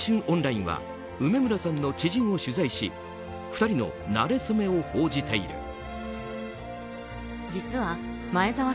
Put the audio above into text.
オンラインは梅村さんの知人を取材し２人のなれそめを報じている。